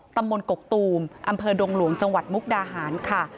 ตำบลกกตูมอำเภอดงหลวงจังหวัดมุกดาหารค่ะ